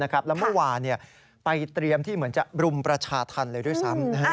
แล้วเมื่อวานไปเตรียมที่เหมือนจะรุมประชาธรรมเลยด้วยซ้ำ